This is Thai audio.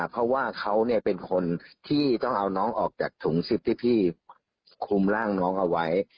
เพราะว่าเขาเป็นคนที่ต้องเอาน้องออกจากถุง๑๐ที่พี่คลุมร่างน้องเอาไว้